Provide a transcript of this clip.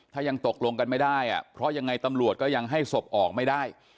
ถ้ายังตกลงกันไม่ได้เพราะยังไงตำรวจก็ยังให้ศพออกไม่ได้